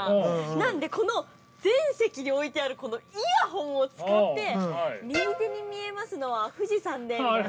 なので、この全席に置いてあるイヤホンを使って右手に見えますのは富士山でみたいな。